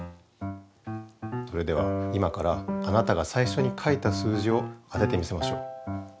それでは今からあなたが最初に書いた数字を当ててみせましょう。